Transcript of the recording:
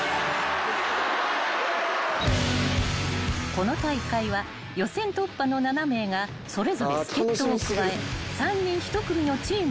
［この大会は予選突破の７名がそれぞれ助っ人を加え３人１組のチームを結成］